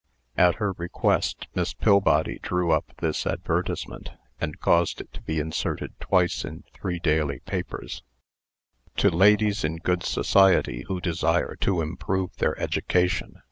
At her request, Miss Pillbody drew up this advertisement, and caused it to be inserted twice in three daily papers: "To LADIES IN GOOD SOCIETY WHO DESIRE TO IMPROVE THEIR EDUCATION.